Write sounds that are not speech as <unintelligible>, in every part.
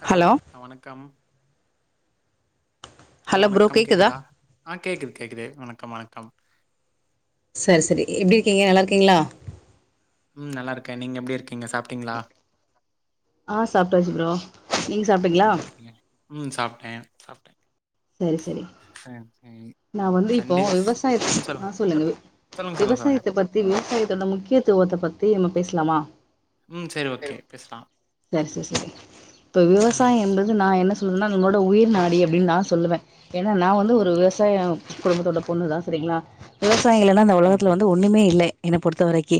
Hello நா வணக்கம் hello வணக்கம் கேக்குதா ஆ கேக்குது கேக்குது வணக்கம் வணக் கம் சரி சரி எப்டி இருக்கீங்க நல்லா இருக்கீங்ளா ம் நல்லா இருக்கே நீங்க எப்டி இருக்கீங்க சாப்ட்டீங்ளா ஆ சாப்ட்டாச்சு ப்ரோ நீங்க சாப்ட்டீங்ளா ஓகேங்க. ம் சாப்ட்டே சாப்ட்டே சரி சரி சேர் செரி நா வந்து இப்போ விவசாயத்த ஆ சொல்லுங்க சொல்லுங்க சொல்லுங்க சொல்லுங்க. விவசாயத்த பத்தி விவசாயத்தோட முக்கியத்துவத்த பத்தி நம்ம பேஸ்லாமா ம் செரி ஓகே பேஸ்லா சரி சரி சரி இப்ப விவசாயம் என்றது நா என்ன <unintelligible> நம்மோட உயிர் நாடி அப்டின் நா சொல்லுவே ஏன்னா நா வந்து ஒரு விவ சாயம் குடும்பத்தோட பொண்ணு தான் செரிங்ளா வி வசாயம் இல்லன்னா இந்த உலகத்துல ம்ஹ்ம். வந்து ஒன்னுமே இல்லே என்ன பொறுத்த வரைக்கி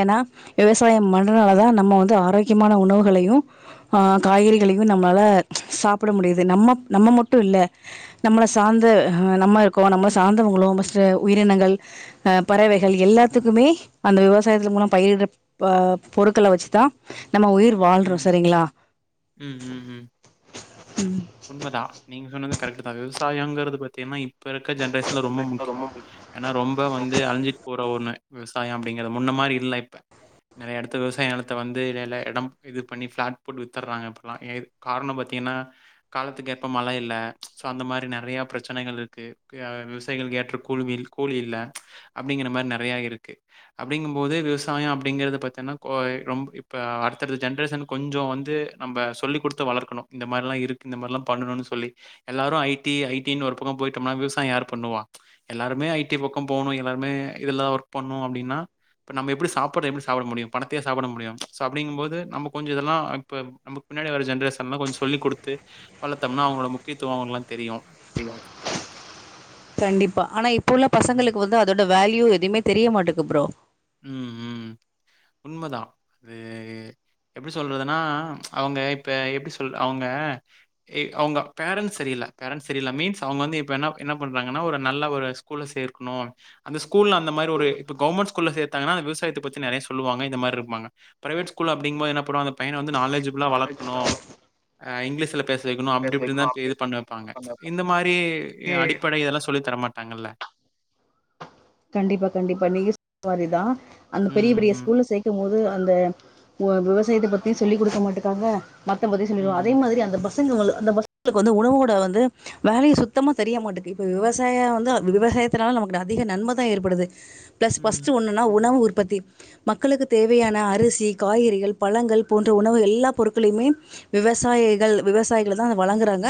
ஏன்னா விவசாயம் பண்றனால தா நம்ம வந்து ஆரோக்கியமான உணவுகளையு ஆ காய்கறிகளையு நம்மால சாப்ட முடியுது நம்ம நம்ம மட்டு இல்ல நம்ள சார்ந்த அ நம்ம இருக்கோ நம்ம சார்ந்தவங்ளோ பஸ்ட் உயிரினங்கள் அ பறவைகள் எல்லாத்துக்குமே அந்த விவசாயத்துல மூலம் பயிர்டப் ப பொருட்கள வச்சுதா நம்ம உயிர் வாழ்றோ ம் சரிங்ளா உண்மதான் நீ நீங்க சொன்னது கரெக்ட் தா விவசாயங்றது பாத்தின்னா இப்ப இருக்க ஜென்ரேஷ் இல்ல ரொம்ப முக்யோ ஏனா ரொம்ப வந் இது அலிஞ்ட் போற ஒண்ணு விவசாயம் அப்டிங்ற முன்ன மாரி இல்ல இப்ப நெறைய இடத்து விவசாய நிலத்த வந்து இல்ல எடம் இது பண்ணி ப்ளாட் போட் வித்துற்றாங்க கார்ணம் பாத்தீங்கன்னா காலத்துக்கு ஏற்ப மழ இல்ல சோ அந்த மாரி நெறைய பிரச்சனைகள் இருக்கு அ விவசாயிகளுக்கு ஏற்ற கூழ்வில் கூலி இல்ல அப்டிங்கிற மாரி நெறைய இருக்கு அப்டிங்கும் போது விவசாயம் அப்டிங்கிறத பாத்தேன்னா கொ ரொம்ப இப்ப அடுத்தடுத்த ஜென்ரேஷன் கொஞ்சோ வந்து நம்ம சொல்லிக் குடுத்து வளர்குனு இந்த மாரிலா இ இதுக்கு இந்த மாரிலா பண்ணணுன் சொல்லி எல்லாரு ஐ டி ஐ டி-ன் ஒரு பக்கோ போய்டோம்னா விவசாயம் யாரு பண்ணுவா எல்லாருமே ஐ டி பக்கோ போனு எல்லார்மே இதெல்லா ஒர்க் பண்ணு அப்டின்னா அப்ப நம்ம எப்டி சாப்பாட எப்டி சாப்ட முடியு பணத்தயா சாப்ட முடியு சோ அப்டிங் போது நம்ம கொஞ்ச இதெல்லா இப்ப நமக் பின்னாடி வர ஜென்ரேசன்லா கொஞ்சோ சொல்லி குடுத்து வளத்தம்னா அவங்ளோட முக்கியத்துவோ அவுங்க்குளா தெரியும் கண்டிப்பா ஆனா இப்ப உள்ள ம், பசங்ளுக்கு வந்து அதோட வேல்யூ எதுமே தெரிய மாட்டுக்கு ப்ரோ ம்ம்ம் உண்மதா அது எப்டி சொல்றதுனா அவுங்க இப்ப எப்டி சொல் அவுங்க அவுங்க பேரண்ட்ஸ் சரியில்ல பேரண்ட்ஸ் சரியில்ல மீன்ஸ் அவுங்க வந்து இப்ப என்ன என்ன பண்றாங்கன்னா ஒரு நல்ல ஒரு ஸ்கூல்ல சேர்க்குணு அந்த ஸ்கூல்ல அந்தமாரி ஒரு இப்ப கவுமெண்ட் ஸ்கூல்ல சே தாங்கனா விவாயத்த பத்தி நெறைய சொல்லுவாங்க இந்தமாருப்பாங்க ப்ரைவேட் ஸ்கூல் அப்டிங்குமோது என்ன பண்ணுவாங்க பையன வந்து நாலே <unintelligible> ஜிப்லா வளர்க்குணு ஆ இங்கிலீஷ்ல பேஸ் வைக்கினு அப்டி இப்டின்தா இது பண்ணி வப்பாங்க இந்த மாரி அடிப்படை எல்லா சொல்லி தர மாட் டாங்கல்ல கண்டிப்பா கண்டிப்பா நீங்க <inaudible> தா அந்த பெரிய ம், பெரிய ம், ஸ்கூல்ல சேக்குமோது அந்த விவசாயத்த பத்தியு சொல்லி் குடுக்க மாட்டுக்காங்க நடத்தும்போதே சொல்லிடுவா அதே ம், மாதிரி அந்த ப பசங்களால அந்த பசஙகளுக்கு வந்து உணவோட வந்து வேல்யூ சுத்தமா தெரிய மாட்டுக்கு இப்ப விவசாயோ வந்து அந்த விவசாயத்துனால நமக்கு அதிக நன்ம தா ஏற்படுது ப்ளஸ் ம், ஃபர்ஸ்டு ஒன்னுன்னா உணவு பத்தி மக்களுக்கு தேவையான அரிசி காய்கறிகள் பழங்கள் போன்ற உணவு எல்லா பொருட்களையுமே விவசாயிகள் விவசாயிகளதான் வழங்குறாங்க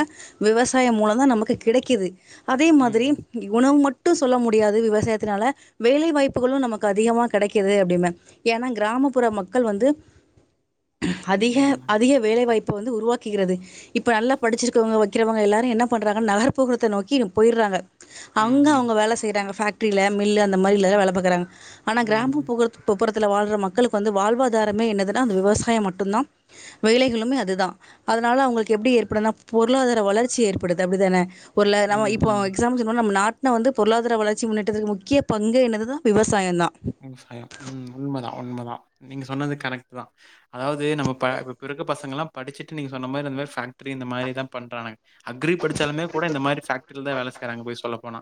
விவசாயம் மூலந்தான் நமக்கு கிடைக்கிது அதே ம், மாதிரி ம், உணவு மட் டு சொல்ல முடியாது விவசாயத் துனால வேலை வாய்ப்புகளும் நமக்கு அதிகமா கெடக்கிது அப்டிம்பே ஏன்னா கிராமப்புற மக்கள் வந்து அதிக ம், அதிக வேலைவாய் பு வந்து உருவாக்குகிறது இப்ப நல்ல படிச்சிருக்கவங்க வைக்கிறவங்க எல்லாரும் என்ன பண்றாங்க நகர்புறத்த நோக்கி போயிடுறாங்க அங்க ம், அவங்க வேல செய்றாங்க ஃபக் ட்ரில மில்லு அந்தமாரிலதா வேல பாக்கறாங்க ஆனா ம். கிராமபுறத் <unintelligible> துல வாழ்ற மக்களுக்கு வந்து வாழ்வா தாரமே என்னதுனா அந்த விவசாயம் மட்டுந்தா வேலைகளுமே அதுதா அதனால அவுங்களுக்கு எப்டி ஏற்படுனா பொருளாதார வளர்ச்சி ஏற்படுது அப்டிதானே இப்போல்ல நமோ ம், இப்போ ம். எக்ஸா <unintelligible> சொன்னோ னா நம்ம நார் னா வந்து பொருளாதார வளர் ச்சி முன்னேட்டதுக்கு முக்கிய பங்கு என்னது தா விவசாயந்தா விவசாயோ ம் உண்ம தா உண்ம தா நீங்க சொன்னது கரெக்ட் தா அதாவது நம்மப்ப இப்ப இருக்க பசங்கல்லா படிச்சிட்டு நீங்க சொன்ன மாரி அந் மாரி ஃபேக் ட்ரி இந்த மாரி தா பண்றானுங் அக்ரி படிச்சாலுமே கூட இந்த மாரி ஃபேக்ட்ரில தா வேல செய்றாங்க போய் சொல்ல போனா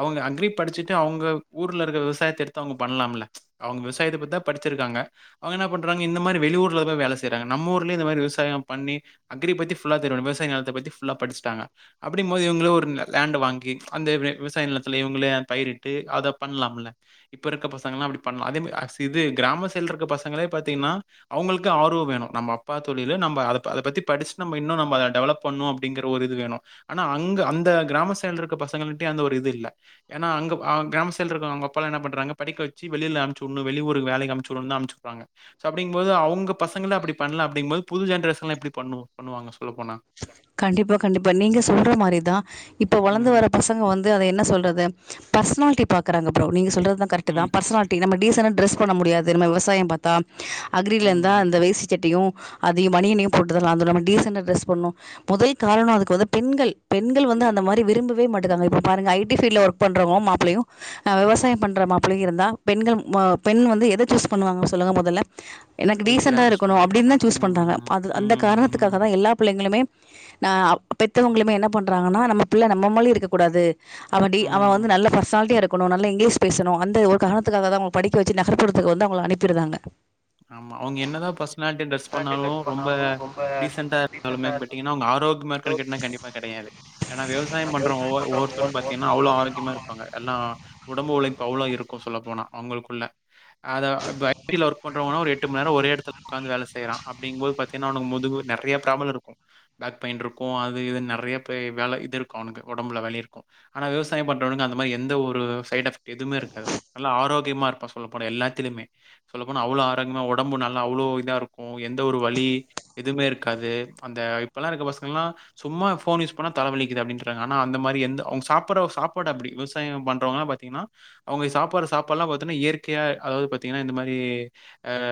அவங்க அக்ரி படிச்சிட்டு அவுங்க ஊர்லருக்க விவசாயத்த எடுத்து அவுங்க பண்லாம்ல அவுங்க விவாயத்த பத்திதா படிச்சிருக்காங்க அவுங்க என்ன பண்றாங்க இந்தமாரி வெளியூர்ல தா வேல செய்றாங்க நம்மூர்லயே இந்தமாரி விவசாயம் பண்ணி அக்ரி பத்தி ஃபுல்லா தெரியணு விவசாய நெலத்த பத்தி ஃபுல்லா படிச்சிட்டாங்க அப்டிங்குபோது இவுங்களே ஒரு லேன்ட வாங்கி அந்த விவசாய நிலத்துல இவுங்களே பயிரிட்டு அத பண்லாம்ல இப்ப இருக்க பசங்கலா அப்டி பண்லா அதேமே மாரி இது கிராம சைடுல இருக்க பசங்களே பாத்தீங்னா அவுங்களுக்கே ஆர்வோ வேணு நம்ம அப்பா தொழில் நம்ம அத அத பத்தி படிச்சிட் இன்னு டெவலப் பண்ணு அப்படிங்கிற ஒரு இது வேணு ஆனா அங்க அந்த கிராமத் சைடுல இருக்கற பசங்க கிட்டயே அந்த ஒரு இது இல்ல ஏனா அங்க கிராமத் சைடுல இருக்கிறவங் அப்பாங்கள்ளா என்ன பண்றாங்க படிக்க வெச்சு வெளில அம்ச்சிவுடுனு வெளி ஊருக்கு வேலைக்கு அம்ச்சிவுடுனுனு தா அம்ச்சிவுடுறாங்க ஸோ அப்டிங்குபோது அவுங்க பங்கங்கள அப்டி பண்லாம் அப்டிங்குமோது புது ஜென்ரேஷன்லா எப்டி பண்ணு பண்ணுவாங்க சொல்லப்போனா. கண்டிப்பா கண்டிப்பா கண்டிப்பா நீங்க சொல்ற மாரிதா இப்போ வளந்து ம். வர்ர பசங்க வந்து அத என்ன சொல்றது பர்சனால்ட்டி பாக்கறாங்க ப்ரோ நீங்க சொல்றது த கரெக்ட்டு தா ம். பர்சனால்ட்டி நம்ம டீசன்னா ட்ரஸ் பண்ண முடியாது நம்ம விவசாயம் பாத்தா அக்ரிலருந்தா ம். அந்த வேஸ்ட்டி சட்டையு அதியு மணியினியு போட்டுதா நம்ம டீசன்ட்டா ட்ரெஸ் போன்னோ மொதல் காரணோ‌ அதுக்கு வந்து பெண்கள் பெண்கள் வந்து அந்த மாரி விரும்பவே மாட்டுதாங்க இப்ப பாருங்க ஐ டி ஃப்பீல்டுல வொர்க் பண்றவோ மாப்புளையு அஹ் விவசாயம் பண்ற மாப்புளையு இருந்தா பெண்கள் ம் அஹ் பெண் வந்து எத சூஸ் பண்ணுவாங்க சொல்லுங்க மொதல்ல எனக்கு ஐடி டீசென்டா தான் யூஸ் இருக்கணு பண்ணுவாங்க. அப்டின் தா சூஸ் பண்றாங்க ம். அது அந்த ம். ம். காரணத்துக்காக ம். தா எல்லாப் பிள்ளைங்களுமே அஹ் அப் பெத்தவங்களுமே என்ன பண்றாங்கன்னா நம்ம பிள்ள நம்மமாலி இருக்கக் கூடாது அவடி அவ ம் வந்து நல்ல பர்சனாலிட்டியாருக் போனோ நல்ல இங்கிலீஷ் பேசணு அந்த ஒரு காரணத்துக்காக தா அவங்க படிக்க வச்சி நகரபுறத்துக்கு வந்து அவங்ள அனுப்பிடுறாங்க ஆமா அவங்க என்னதா பர்ஸ்னால்ட்டியா ட்ரெஸ் பண்ணாலு‌ ரொம்ப டீசண்டா தாலுமே‌ பட்டீங்கன்னா அவங்க ஆரோக்கியமா இருக்கானு கேட்டிங்கன்னா கண்டிப்பா கெடையாது ஏன்னா விவசாயம் பண்றவங்க ஒவ்வொரு ஒவ்வொருத்தரும் பாத்தீங்கன்னா அவ்ளோ ஆரோக்கியமா இருப்பாங்க எல்லா உடம்பு உழைப்பு அவ்ளோ இருக்கு சொல்ல போனா அவங்களுக்குள்ள அத இப்ப ஐ டி ல வொர்க் போன்றோங்கலா ஒரு எட்டு மண்நே ஒரே எடத்துல உக்காந்து வேல செய்யறோ அப்டிங்போது பாத்தீங்ன்னா அவனுக்கு முதுகு வலி நெறயா ப்ராப்ளமுருக்கு பேக் பெய்ன்ருக்கு அது இதுன்னு நெறயா பே வேல இது இருக்கு அவனுக்கு ஒடம்புல வலி இருக்கு ஆனா விவசாயம் பண்றவனுங்க அந்த மாரி எந்த ஒரு சைட் எஃபெக்ட் எதுமேருக்காது நல்லா ஆரோக்யமா இருப்பா சொல்ல போனா எல்லாதுலயுமே சொல்லப் போ போனா அவ்ளோ ஆரோக்கியமா ஒடம்பு நல்லா அவ்ளோ இதாருக்கு எந்த ஒரு வலி எதுமே இருக்காது அந்த இப்பெல்லா இருக்க பசங்கள்ளா சும்மா ஃபோன் யூஸ் பண்ணா தலவலிக்குது அப்டின்றாங்க ஆனா அந்த மாரி எந்த அவுங்க சாப்புடற ஒரு சாப்பாடு அப்டி விவசாயம் பண்ணுறவங்கல பாத்தீங்கன்னா அவங்க சாப்பாடு சாப்பாடெல்லா பாத்தனா இயற்கையா அதாவது பாத்திங்கன்னா இந்த மாரி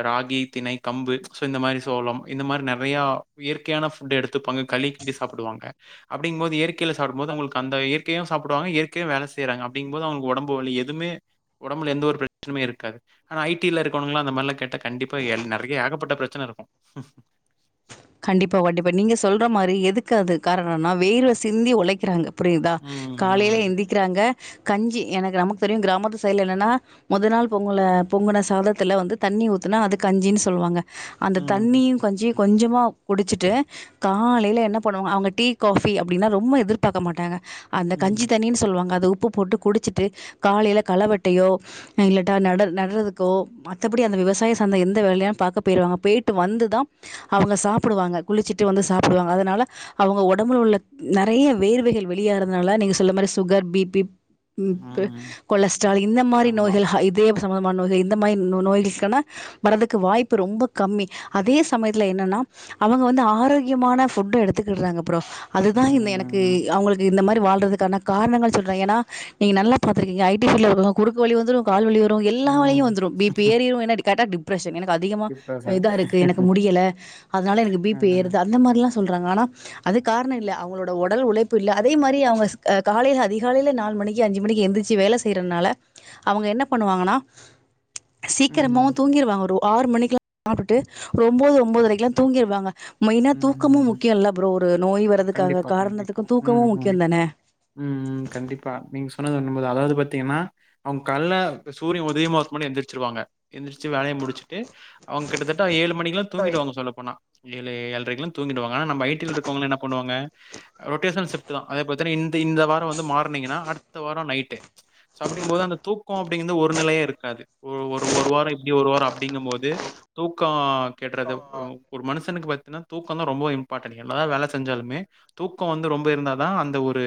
ராகி திணை கம்பு சோ இந்த மாரி சோளம் இந்த மாரி நெறையா இயற்கையான ஃபுட்டு எடுத்துப்பாங்க களி கிண்டி சாப்புடுவாங்க அப்படீங்போது இயற்கையில சாப்புடும்போது அவங்களுக்கு அந்த இயற்கையு சாப்பிடுவாங்க இயற்கையு வேல செய்யறாங்க அப்படிங்போது அவங்களுக்கு ஒடம்பு வலி எதுமே ஒடம்புல எந்த ஒரு பிரச்சனுமே இருக்காது ஆனா ஐடியில இருக் கவனுங்கல்லா அந்த மார்லா கேட்டா கண்டிப்பா எல் நெறயா ஏகப்பட்ட பிரச்சனருக்கு கண்டிப்பா கண்டிப்பா நீங்க சொல்ற மாரி எதுக்கு அது காரணோனா வேர்வ சிந்தி ஒலைக்குறவங்க புரியிதா ம், காலையில ம். எந்திக்கிறாங்க கஞ்சி எனக்கு நமக்கு தெரியு கிராமத்து சைடுல என்னன்னா மொத நாள் பொங்குல பொங்குன சாதத்துல வந்து தண்ணி ஊத்துனா அது கஞ்சின்னு சொல்லுவாங்க அந்த ம், தண்ணியு கஞ்சியு கொஞ்சமா குடிச்சிட்டு காலைல என்ன பண்ணுவாங்க அவங்க டீ காஃபி அப்டின்னா ரொம்ப எதிர்பாக்க மாட்டாங்க அந்த கஞ்சி ம், தண்ணீனு சொல்லுவாங்க அது உப் உப்பு போட்டு குடிச்சிட்டு காலைல களவெட்டையோ இல்லாட்டா நடந் நட்றதுக்கோ மத்தபடி அந்த விவசாய சாந்த எந்த வேலயோ பாக்க பேய்ருவாங்க பேய்ட்டு வந்துதா அவங்க சாப் புடுவாங்க குளிச்சுட்டு வந்து சாப்புடுவாங்க அதனால அவங்க ஒடம்புல உள்ள நெறயா வேர்வைகள் வெளியேறதுனால நீங்க சொல்ல மாரி சுகர் பீப்பி ப்பு ம். கொலஸ்ட்ரால் இந்த மாரி ஆமா. நோய்கள் ஹா இதயத் த்த மண் வகை இந்த மாரி நோ நோய்கஸ்களா வரதுக்கு வாய்ப்பு ரொம்ப கம்மி அதே சமயத்தில என்னன்னா அவங்க வந்து ஆரோக்கியமான ஃபுட்டு எடுத்துக்கிடுறாங்க <unintelligible> ம், அதுதா இந்த எனக்கு ம், அவங்களுக்கு இந்த மாரி வால்றதுக்கான காரணங்கள் சொல்ற ஏனா நீங் நல்லா பாத்திருக்கீங்க ஐ டி ஃப்பீல்டுல இருக்கவங்க குறுக்கு வலி வந்துரு கால் வலி வந் ரு எல்ல ம். வலியு ம். வந்துரு பீப்பி யோரிரு ஏன்னா கரெக்டா டிப் எனக்கு அதிகமா டிப்ரஷன். இதா இருக்கு எனக்கு முடியல இதனால எனக்கு பீ பி ம், ஏறுது அந்த மாரி சொல்றாங்க ஆனா அது காரணம் இல்ல அவங்களோட உடல் உழைப்பு இல்ல அதே மாரி அவங்க அ காலையில அதிகாலையில நாலு மணிக்கு அஞ்சு மணிக்கு எந்திறிச்சு வேலை செய்யறனால அவங்க என்ன பண்ணுவாங்கன்னா ம், சீக்கிரமாவும் தூங்கிடுவாங்க ஒரு ஆறு மணிக்குல்லா சாப்டுட்டு ஒம்போது ஒம்போதரைக்குலா தூங்கிடுவாங்க மெயினா ம், தூக்கமு ம். முக்கியல்ல ப்ரோ ஒரு நோய் வர்றதுக்காக கண்டிப்பா, கண்டிப்பா. காரணத்துக்கு தூக்கமு ம், ம். முக்கியோ தான ம், கண்டிப்பா. நீங்க சொன்னது ம் அதாவது பாத்தீங்கன்னா அவங்க கால்ல சூரியன் உதயமாகுறதுக்கு முன்னாடியே எந்திரிச்சுருவாங்க எந்திரிச்சு வேலைய முடிச்சுட்டு அவங்க கிட்டத்தட்ட ஏழு மணிக்குல்லா தூங்கிடுவாங்க சொல்ல போனா <inaudible> ஏழு ஏழரைக்குலா தூங்கிடுவாங்க அப்ப ஐ டி-ல இருக்கறவங்கலா என்ன பண்ணுவாங்க ரொட்டேசன் சிப்ட்டு தா அத பாத்திங்கனா இந்த இந்த வாரம் வந்து மார்னிங்னா அடுத்த வாரம் நைட்டு சோ அப்டினுங்கும் போது தூக்கம்ன்றது ஒரு நிலையா இருக்காது ஒரு ஒரு ஒரு வாரோ இங்க ஒரு வாரோ அப்படிங்கும் போது தூக்கோ கேட்டுறது ஒ ஒரு மனுஸ் எனக்கு பாத் தூக்கம் தா ரொம்ப நீ என்னதா வேல செஞ்சாலுமே தூக்கம் வந்து ரொம்ப இருந்தாத அந்த ஒரு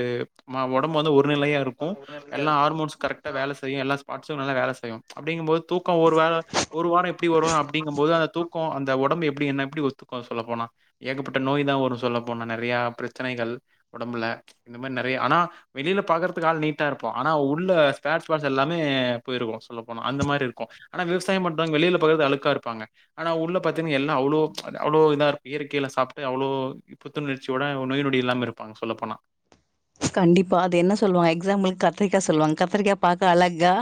மா ஒடம்பு வந்து ஒரு ஒரு நிலையா இருக்கு எல்லா ஹார்மோன்ஸ் கரெக்டா வேல செய்யு எல்லா ஸ்பாட் சோ நல்ல வேலை செய்யு அப்டிங்கம்போது தூக்கம் ஒரு வேல ஒரு வாரம் இப்டி வரும் அப்டிங்கும்போது அந்த தூக்கம் அந்த ஒடம்பு எப் ப்படி என்ன எப்படி ஒத்துக்கு சொல்ல போனா ஏகப்பட்ட நோய் தா வரு சொல்ல போனா நெறைய பிரச்சனைகள் உடம்புல இந்த மாரி நெறைய ஆனா வெளியில பாக்கறதுக்கலா நீட்டா இருப்போ ஆனா உள்ள ஸ்பேர் பாட்ஸ் எல்லாமே போயிருக்கு சொல்ல போனா அந்த மாரி இருக்கு ஆனா விவசாயம் பண்றவங்க வெளியில பாக்க அழுக்கா இருப்பாங்க ஆனா உள்ள பாத்தீங்கன்னா எல்லா அவ்ளோ அவ்வளோ இதா இருக்கு இயற்கையில சாப்பிட்டு அவ்வளோ புத்துணர்ச்சியோட நோய்நொடி இல்லாம இருப்பாங்க சொல்ல போனா கண்டிப்பா அது என்ன சொல்லுவாங்க எக்ஸாம்பிளுக்கு கத்திரிக்கா சொல்லுவாங்க கத்திரிக்கா பாக்க அழகா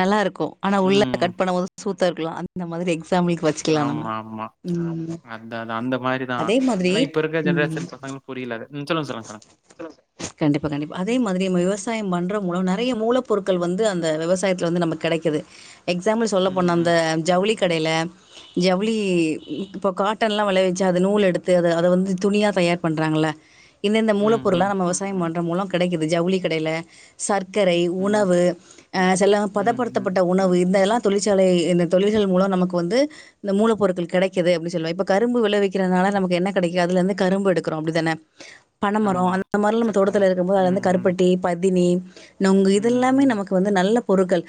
நல்லா இருக் ஆனா உள்ள ம். கட் பண்ணும்போது சூத் த்த இருக்கலா அந்த மாதிரி எக்ஸாம்பிளுக்கு வச்சுக்கலா நம்ம ஆமா ஆமா ஆமா அதா அந்த மாரிதா அதே மாதிரி ஆனா இப்ப இருக்க ம் ஜென்ரேஷன் பசங்களுக்கு புரியல அது ம். சொல்லுங்க, சொல்லுங்க, சொல்லுங்க. கண்டிப்பா கண்டிப்பா அதே மாதிரி நம்ப விவசாயம் பண்றவங்களு நெ நெறைய மூல பொருட்கள் வந்து அந்த விவசாயத்துல வந்து நமக்கு கெடைக்குது எக்ஸாம்பிள் சொல்ல போன ம், அந்த ம். ஜவுளி வுளி கடையில ஜவுளி இப்ப காட்டன்ல்லா விளையவிச்சூ அத நூல் எடுத்து அத அத வந்து துணியா தயார் பண்றாங்கள இந்த இந்த மூல ம், பொருள்ல ம். நம்ம விவசாயம் பண் மூலம் கிடைக்குது ஜவுளி கடையில சர்க் க்கரை ம், உணவு அஹ் சில ம், ம். பதப்படுத்தப்பட்ட உணவு இந்தெல்லா தொழிற்சாலை இந்த தொழில்கள் மூலம் நமக்கு வந்து இந்த மூலப் பொருட்கள் கெடைக்குது அப்டின்னு சொல்லா இப்ப கரும்பு விளைவிக்கிறதுனால நமக்கு என்ன கெடைக்கு அதுல இருந்து கரும்பு எடுக்றோ அப்டித்தானே பனமரோ ஆமா. அந்த மாதிரிலா நம்ம சர்க்கரை. தோட்டத்துத்தில இருக்கும் போது அது ம், வந்து ம். கருப்பட்டெி பதினி உம் நொங்கு ம், இதெல்லாமே ம். நமக்கு வந்து நல்ல பொருட்கள்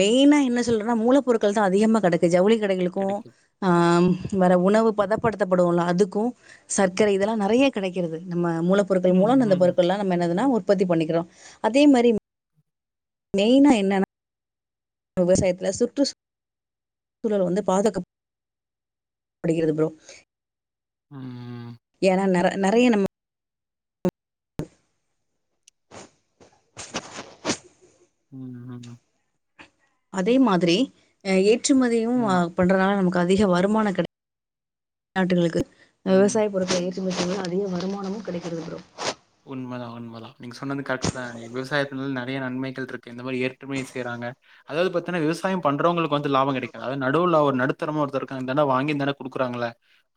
மெயினா என்ன சொல்றனா மூல பொருட்கள் தா அதிகமாக கிடக்கு ஜவுளி கடைகளுக்கு கிடைக்குது. ஆ ம் வேற உணவு பதப்படுத்தப்படுவுல அதுக்கு சர்க்கரை இதெல்லா நெறைய கெடைக்கிறது நம்ம மூல பொருட்கள் ம், மூலம்ந்த ம். பொருட்கள்ல்லா நம்ம என்னதுன்னா ஒரு உற்பத்தி பண்ணிக்கிறோம் அதே மாதிரி மெயினா என்னன்னா விவசாயத்துல சுற்றுச்சூழல் வந்து பாதுக அடிக்கிறது ப்ரோ ம் ஏன்னா ந நிறைய நம்ம உஹம் உம் அதே மாதிரி <unintelligible> ஏற்றுமதியும் ம், பண்றதுனால நமக்கு அதிக வருமானோ கெடை நாட்டுகளுக்கு விவசாய ம். பொறத்தை <inaudible> அதிக வருமானமும் கெடைக்கிறது ப்ரோ உண்மதா உண்மதா நீங்க சொன்னது கரக்ட் தான் விவசாயத்தினில் நெறய நன்மைகள் இருக்கு இந்த மாதிரி ஏற்றுமனி செய்றாங்க அதாவது பத்தின்னா விவசாயம் பண்றவங்களுக் வந்து லாபம் கிடைக்க அது நடூவ்ல ஒரு நடுத் தனமா ஒருத்த இருக்கா இந்தாண்ட குடுக்குறாங்கள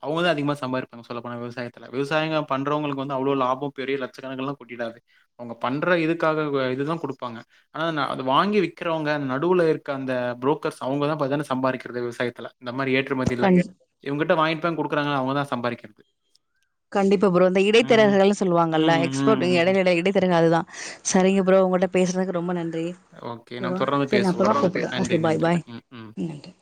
அவங்கதா அதிகமா சம்பாரிப்பாங்க சொல்லப்போனா விவசாயத்துல விவசாயிங்க பண்றவங்களுக்கு வந்து அவ்ளோ லாபம் பெரிய லட்சக்கணக்கல்லாம் கொட்டிடாது அவங்க பண்ற இதுக்காக இதுதான் கொடுப்பாங்க ஆனா ந அத வாங்கி விக்கிறவங்க நடுவுல இருக்க அந்த புரோக்கர்ஸ் அவுங்கதா பாத்தேனா சம்பாரிக்றதே விவசாயத்துல இந்த மாதிரி ஏட் டுமதில்ல கண் இவங்கட்ட வாய் தங்குடுக்குறாங்க அவங்க தா சம்பாதிக்கிறது கண்டிப்பா ப்ரோ இந்த இடைத்தரகர்கள்னு சொல்லுவாங் அல்ல ம், எக்ஸ்போர்ட்டு ம், ம். எடைலட இடைத்தர அதுதா சரிங்க ப்ரோ உங்கட்ட பேசுனக்கு ரொம்ப நன் தெ ஓகே. நாம் கெவா தொடர்ந்து செரி பேசுவோம் அப்புறமா நம்ம. கூப்பட்ற நன்றி, ஓகே பாய் நன்றி. பாய் ம், ம். நன்றி